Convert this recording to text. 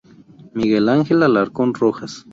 Miguel Ángel Alarcón Rojas